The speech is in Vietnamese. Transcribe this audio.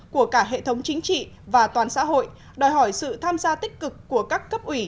của cả hệ thống chính trị và toàn xã hội đòi hỏi sự tham gia tích cực của các cấp ủy